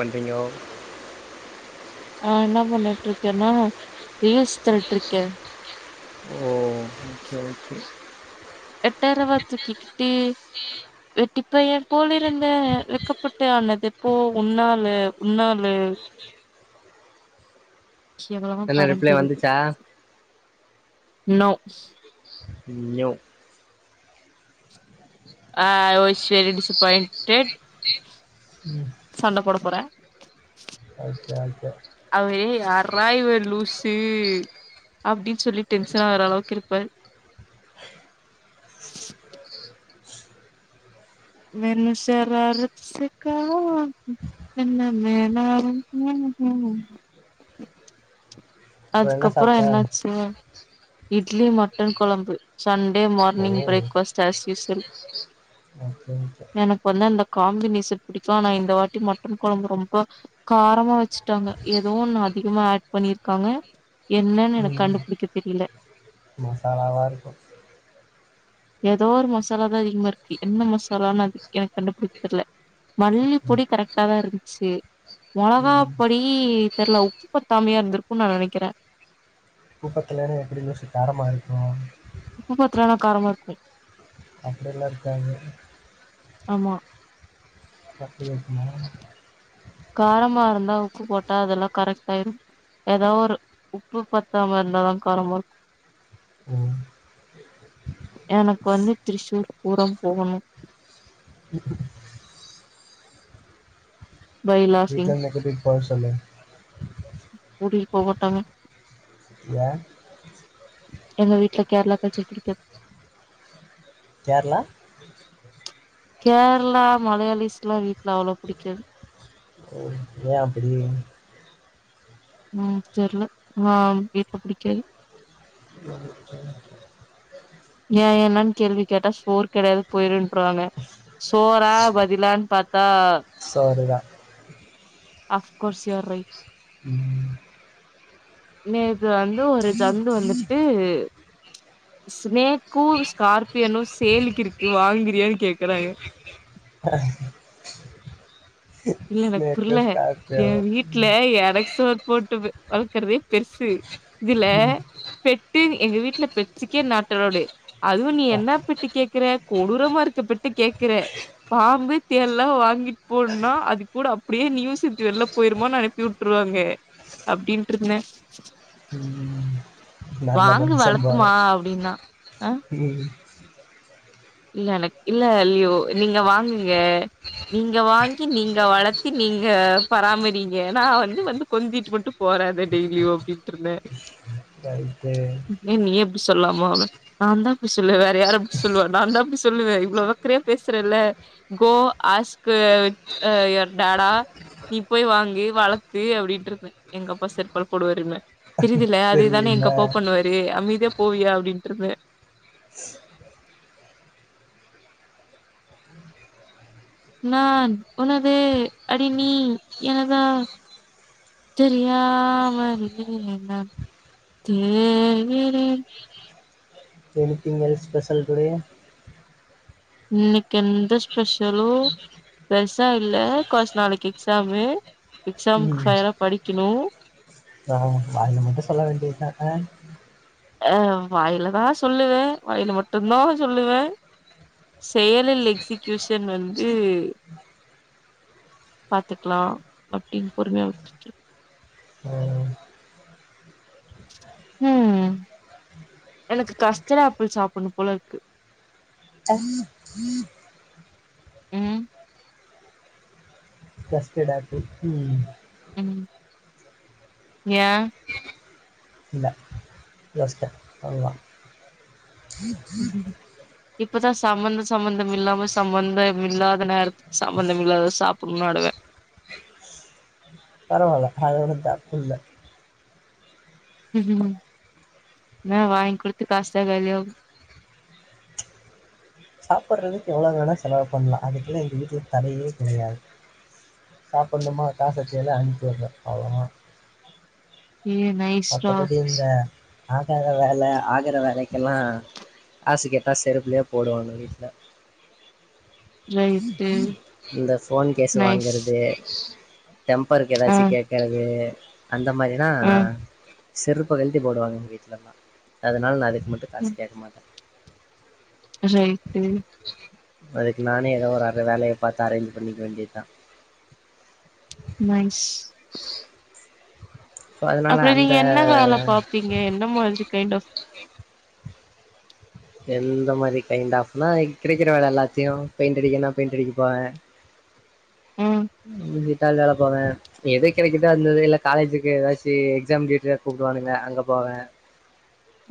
வன்டிங்கோ ஆ என்ன பண்ணட்டு இருக்கேன்னா ரியல்ஸ் தல்ட்ருக்கே ஓ ஓகே ஓகே எட்டரவாத்துக் கி ட்டி வெட்டிப்பய போல் இருந்தே வெக்கப்பட்டு ஆனதுப்போ உன்னால உன்னால எவ்வளவு என்ன ரிப்ளை பரேன்டென்டு வந்துச்சா நோட்ஸ் ய்யோ ஆ ஸ் வெரி டிசப்பாய்ண்டெட் சண்ட போட போறே அவ்யே யாரா இவ லூசி சி அப்டின் சொல்லி டென்ஷனா வரற அளவுக்கு இருப்ப [inaudible] மெணு சராரசிக்காக வா என்ன வேணாலு அப்புறம் என்ன அதுக்கப்புறோ சாப்ட்ட என்னாச்சு இட்லி மட்டன் கொழம்பு Sunday morning okay breakfast as usual எனக்கு வந்து அந்த காம்பினேஷன் புடிக்கும் நா இந்த வாட்டி மட்டன் கொழம்பு ரொம்ப காரமா வெச்சுட்டாங்க எதோ ஒன்னு அதிகமா ஆட் பண்ணிருக்காங்க என்னன் எனக்கு கண்டுபுடிக்க தெரியல மசாலாவாருக்கு ஏதோ ஒரு மசாலா தான் அதிகமா இருக்கு என்ன மசாலானு அது எனக்கு கண்டுபிடிக்க தெர்ல மல்லிப்பொடி கரெக்ட்டா தா இருந்ச்சு மொளகா ம் பொடி தெர்ல உப்பு பத்தாமையா இருந்திருக்குன் நா நனைக்கிறேன் கூப்பத்துலு எப்டி யோசு தாரமா இருக்கும் உப்பு பத்தலனா காரமா இருக்கு அப்டில்லா இருக்காங்க ஆமா பத்து நிம்ஷமா காரமா இருந்தா உப்பு போட்டா அதெல்லா கரெக்ட்டாயிடு ஏதோ ஒரு உப்பு பத்தாம இருந்தாதா காரமா இருக் ம் எனக்கு வந்து திரிசூர்புரம் போகணும் வீட்ல பைலாசிங் இருந்து கூட்டிட்டு போக சொல்லு கூடி போவ்மாட்டாங்க ஏ எங்க வீட்டுல கேரளா கல்ச்சர் புடிக்கு கேர்ளா கேர்ளா மலையாளிஸ்ல்லா வீட்ல அவ்ளோ புடிக்காது ஏ அப்படி ம் தெர்ல ஆ வீட்ல புடிக்காது ஏ என்னன் கேள்வி கேட்டா சோறு கெடயாது போயிருன்ருவாங்க சோற பதிலான் பாத்தா சோறுதா அஃப்கோர்ஸ் யுவர் ரைட் ம் நேத்து வந்து ஒரு ஜந்து வந்துட்டு ஸ்னேக்கு ஸ்கார்பியனு சேலுக்கு இருக்கு வாங்கிறியான் கேக்கறாங்க [unintelligible] இல்ல எனக் ஸ்னேக்கு புர்ல ஸ்டார்ட் ஏ ஆகும் வீட் இல்ல எனக் சோறு போட்டு வளக்கற்தே பெர்சு இதுல ம், பெட்டு எங்க வீட்ல பெட்ஸ்க்கே நாட் அலோவ்டு அதுவு நீ அ, என்ன பெட்டு கேக்குற கொடூரமா இருக்க பெட்டு கேக்குற பாம்பு தேள்லா வாங்கிட்டு போன்னா அது கூட அப்டியே நீயும் சேத்து வெள்ல போயிருமானு அனுப்பி வுட்ருவாங்க அப்டின்ருந்தே ம் நல்ல மனுசம்பானு வளர்த்துமா அப்டின்னா. ஆ ம் இல்ல எனக்கில்ல லியோ நீங்க வாங்குங்க நீங்க வாங்கி நீங்க வளத்தி நீங்க பராமறீங்க நா வந்து வந்து கொஞ்சிட்டு மட்டு போற அத டெய்லியு அப்டின்ட்ருந்தே ரைட்டு ஏ நீயே இப்டி சொல்லாம நாந்தா அப்டி சொல்வே வேற யாரு அப்டி சொல்வா நாந்தா அப்டி சொல்லுவே இவ்ளவ் அக்கறையா பேசுறல கோ ஆஸ்கு வித் அ எ டாடா நீ போய் வாங்கி வளத்து அப்டின்ட்ருந்தே எங்க அப்பா செப்பல் போடுவாருன்னே தெரியுதுல அதேதானே தெரியல எங்க அப்பாவு பண்ணுவாரு அமைதியா போவியா அப்டின்ட்ருந்தே நான் உனது அடி நீ எனதா தெரியாமலே நான் தேய்கிறேன் எனிதிங் எல்ஸ் ஸ்பெஷல் டுடே இன்னைக்கு எந்த ஸ்பெஷலு பெருசா இல்ல காஸ் நாளைக்கு எக்ஸாமு எக்ஸாமுக்கு ஃபைரா படிக்கணு அ வாயில மட்டு சொல்ல வேண்டியதா அ ஆ வாயில தா சொல்லுவே வாயில மட்டும்தா சொல்லுவே செயலில் எக்ஸிகியூஷன் வந்து பாத்துக்லா அப்டின் பொறுமையா விட்டுட்டு ம் எனக்கு கஸ்டடு ஆப்பிள் சாப்டணு போல இருக்கு [unintelligible] [unintelligible] ம் கஸ்டடு ஆப்பிள் ம் ம் ஏ இல்ல [unintelligible] பண்லா ம் [unintelligible] இப்பதா சம்மந்த சம்மந்தம் இல்லாம சம்மந்தம் இல்லாத நேரத்துக்கு சம்மந்தம் இல்லாத சாப்டணுவாடுக பரவால்ல அதுஒன்னு தப்பு இல்ல ம் என்ன வாங்கி் குடுத்து காசுதா காலியாகு சாப்பிட்றதுக்கு எவ்ளோ வேணா செலவு பண்லா அதுக்கெல்லா எங்க வீட்ல தடயே கெடையாது சாப்டனுமா காசு வச்சுருந்தா அனுப்பி வுடுறே அவ்வளோதா ஏ நை மத்தபடி இந்த ஆகாத வேல ஆகுற வேலைக்கெல்லா காசு கேட்டா செருப்புலயே போடுவாங்க வீட்ல ரைட்டு இந்த ஃபோன் கேஸ் நைஸ் வாங்கறது டெம்பருக்கு ஆ ஏதாச்சு கே குறது அந்த மாரினா ஆ செருப்ப கழட்டி போடுவாங்க எங்க வீட்லலா அதனால நா அதுக்கு மட்டு காசு கேட்க மாட்டே ரைட்டு அதுக்கு நானே ஏதோ ஒரு வர வேலய பாத்து அரேஞ்ச் பண்ணிக்க வேண்டியத்தா நைஸ் சோ அதனால அப்டி அந்த நீங்க என்ன வேல பாப்பீங்க என்ன மாதிரி கைண்ட் ஆஃப் எந்த மாதிரி கைண்ட் ஆஃப்னா கிடைக்கிற வேல எல்லாத்தையு பெயிண்ட் அடிக்கனா பெயிண்ட் அடிக்க போவே ம் ம் டெய்லரா போவே எது கிடைக்கிதா அந்ததுனு இல்ல காலேஜுக்கு ஏதாச்சி எக்ஸாம் டூயுட்டினா கூப்டுவானுங்க அங்க போவே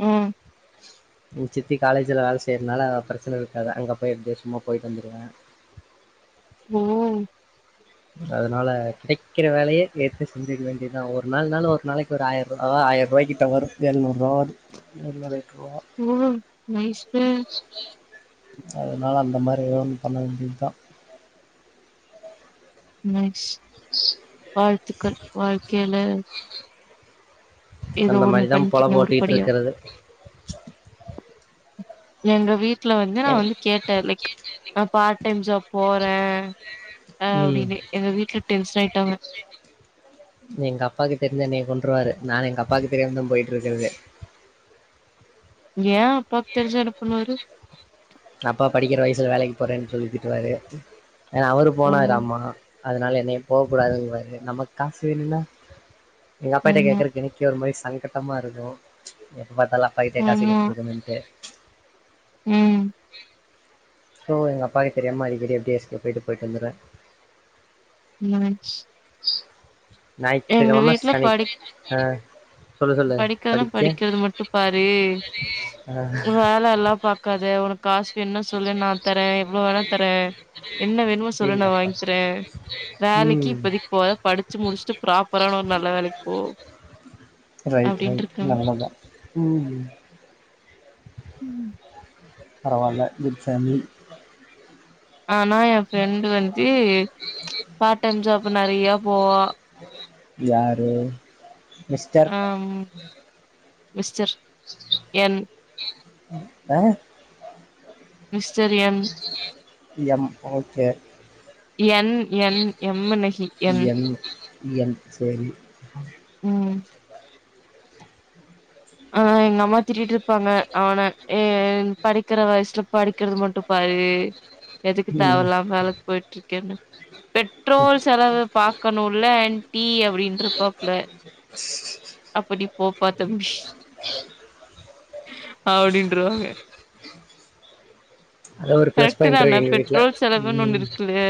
ம் எங் சித்தி காலேஜ்ல வேல செய்யறனால பிரச்சன இருக்காது அங்கப்போய் எப்டியோ சும்மா போயிட்டு வந்துருவே ம் அதனால கெடைக்கிற வேலய ஏத்து செஞ்சக்க வேண்டியதா ஒருநாள் நாலும் ஒரு நாளை ஒரு ஆயிரூவா அதா ஆயிரரூவா கிட்ட வரு எழுநூருவா வரு எழுநூர் எட்டுனுரூவா ம் நைஸ் க அதனால அந்த மாரி ஏர்ன் பண்ண வேண்டியதா நைஸ் வாழ்த்துக்கள் வாழ்க்கைல ஏதோ அந்த ஒண்ணு மாதிரி தான் பொல பண்ணிட்ருக்கிங்க போட்டுக்கிட்டு உருப்படியா இருக்கிறது எங்க வீட்ல வந்து நா என்- வந்து கேட் ட லைக் ந பார்ட்டைம் ஜாப் போற ம் அப்டின்னு எங்க வீட்ல டென்ஷன் ஆய்ட்டாங்க எங்க அப்பாக்கு தெரிஞ்சா என்னைய கொன்றுவாரு நானு எங்க அப்பாவுக்கு தெரியாமதா போயிட்ருக்கே வே ஏ அப்பாக்கு தெரிஞ்சா என்னபண்ணுவாரு அப்பா படிக்கிற வயசுல வேலைக்கு போறேன்னு சொல்லிட்டு திட்டுவாரு ஏனா அவரு ஓ போனாராம்மா அதனால என்னைய போ கூடாதுங்குவாரு நமக் காசு வேணுல எங்க அப்பாகிட்ட ஆமா கேக்கறக்கு எனக்கே ஒரு மாரி சங்கட்டமா இருக்கு எப்ப பாத்தாலு அப்பாக்கிட்டே காசு ஆமா கேட்ருக்குமேன்னுட்டு ம் சோ எங்க அப்பாக்கு தெரியாம அடிகடி எப்டியாச்சு போயிட்டு போய்ட்டு வந்துருவ ம் எங்க ஞாயித்துக்கெழம சனி ஆ சொல்லு சொல்லு படிக்கிறதுன்னா படிக்க படிக்கறத மட்டு பாரு ஆ வேல எல்லா பாக்காத உனக் காஸ் வேண்ணா சொல்லு நா தர எவ்ளோ வேணா தர என்ன வேணுமோ சொல்லு நா அடேங்கப்பா வாங் தர வேலைக்கு ம் இப்போதைக் போகத படிச்சு முடிச்சுட்டு ப்ராப்பரான ஒரு நல்ல வேலைக்கு போ ரைட் அப்டின்ட்டு ரைட் இருக்காங்க நல்லதா ம் ம் பரவால்ல குட் ஃபேமிலி ஆனா எ ஃப்ரெண்டு் வந்து பார்ட் டைம் ஜாப் நெறையா போவா யாரு மிஸ்டர் ஆம் மிஸ்டர் என் ஆ mister M M okay N N M னு ஹி என் என் சேரி ம் ஆ எங்க அம்மா திட்டிட்ருப்பாங்க அவன ஏன் படிக்கிற வயசுல படிக்கிறது மட்டு பாரு எதுக்கு ம் தேவலாமா வேல போயிட்ருக்கேன்னு பெட்ரோல் செலவு பாக்கணுல்ல ஆண்ட்டி அப்டின்ருபாப்ல அப்ப நீ போப்பா தம்பி அப்டின்ட்ருவாங்க அது ஒரு பிளஸ் கரெக்ட்டு பாயிண்ட் இருக்கு தான எங்க வீட்ல பெட்ரோல் செலவுன்னு ஒன்னு ம் இருக்குல்லே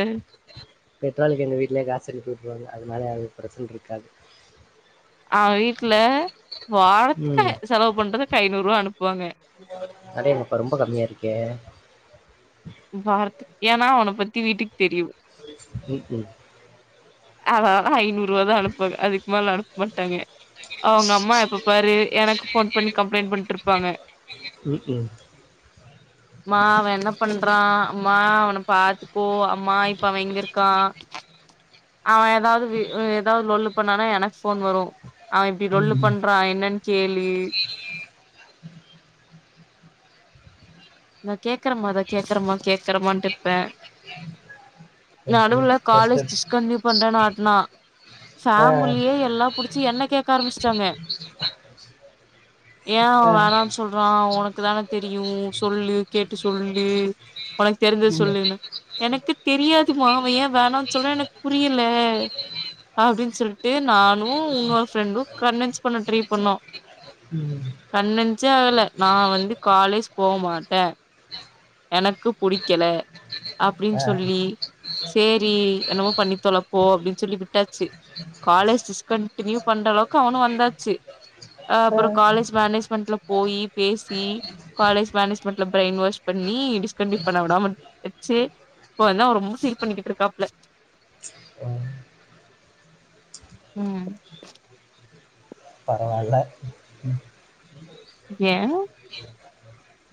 பெட்ரோலுக்கு எங்க வீட்லே காசனுப்பி உட்ருவாங்க அதனால அது பிரச்சன இருக்காது அவ வீட்ல வாரத்துக்கு ம் செலவு பண்றதுக்கு ஐநூர்வா அனுப்புவாங்க அடேங்கப்பா ரொம்ப கம்மியா இருக்கே வாரத்துக் ஏனா அவன பத்தி வீட்டுக் தெரியு ம்கு அதனாலதா ஐநூருவாதா அனுப்வாங்க அதுக்மேல அனுப் மாட்டாங்க அவுங்க அம்மா எப்ப பாரு எனக்கு ஃபோன் பண்ணி கம்ப்ளைண் பண்ட்ருப்பாங்க ம்கு மா அவ என்ன பண்றா அம்மா அவன பாத்துக்கோ அம்மா இப்ப அவ எங்கிருக்கா அவ எதாது வே எதாது லொள்ளு பண்ணானா எனக்கு ஃபோன் வரு அவ இப்டி லொள்ளு பண்றா என்னன் கேளு நா கேக்கரம்மா இதோ கேக்கரம்மா கேக்கறமான்ட்டு இப்ப நடுவுல காலேஜ் டிஸ்கன்ட்ன்யூ பண்றென் ஆட்னா ஃபேமிலியே எல்லா புடுச்சு என்ன கேக்க ஆரம்பிச்ட்டாங்க ஏ அவ வேணான் சொ சொல்றா ஒனக்கு தான தெரியு சொல்லு கேட்டு சொல்லு ஒனக்கு தெருஞ்சா சொல்லுன்னு எனக்கு தெரியாதுமா அவ ஏ வேணான் சொல்றா எனக்கு புரியல அப்டின் சொல்ட்டு நானு உன்னொரு ஃப்ரெண்டு கன்வென்ஸ் பண்ண ட்ரை பண்ணோ ம் கன்வென்ஸே ஆகல நா வந்து காலேஜ் போமாட்டெ எனக்கு புடிக்கல அப்டின் சொல்லி சேரி என்னமோ பண்ணி தொல போ அப்டின் சொல்லி விட்டாச்சு காலேஜ் டிஸ்கண்டினியூ பண்ற அளவுக்கு அவனு வந்தாச்சு அ அப்பறொ காலேஜ் மேனேஜ்மெண்ட்ல போயி பேசி காலேஜ் மேனேஜ்மெண்ட்ல ப்ரைன் வாஷ் பண்ணி டிஸ்கண்டின்யு பண்ண விடாம வச்சு இப்போ அதா ரொம்ப ஃபீல் பண்ணிக்கிட்டு இருக்காப்ல ஆ ம் பரவால்ல ஏ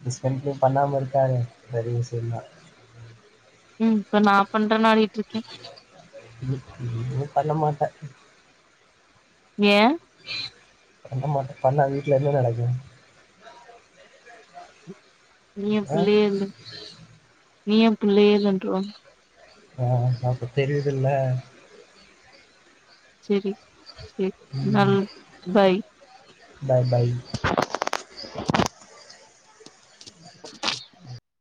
டிஸ்கன்ட்ன்யு பண்ணாம இருக்காரே பெரிய விஷ்யந்தா ம் இப்ப நா பண்றன்னு ஆடிட்ருக்கே ம் இனிமே பண்ணமாட்ட ஏ பண்ணமாட்டெ பண்ணா வீட்ல என்ன நடக்கு நீ ஏ ஆ? பிள்ளயானு நீ ஏ பிள்ளையே இல்லன்ருவாங்க ஆமா இப்ப தெரிய்தில்ல செரி செரி நல் பாய் பாய் பாய்